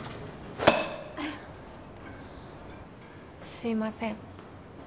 すいません。